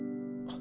あ！